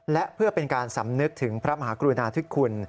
และเพื่อเป็นการสำนึกถึงพระมหากรุณาธิคุณ